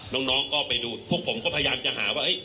น้องก็ไปดูพวกผมก็พยายามจะหาว่า